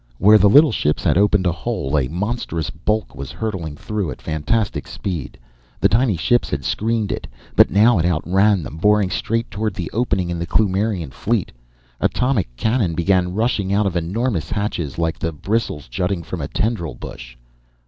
Where the little ships had opened a hole, a monstrous bulk was hurtling through at fantastic speed. The tiny ships had screened it, but now it outran them, boring straight toward the opening in the Kloomirian fleet. Atomic cannon began running out of enormous hatches, like the bristles jutting from a tendril brush.